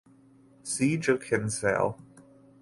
Siege of Kinsale